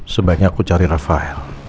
sebaiknya aku cari rafael